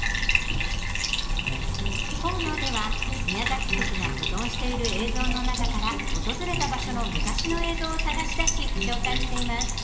コーナーでは宮崎局が保存している映像の中から訪れた場所の昔の映像を探し出し、紹介しています。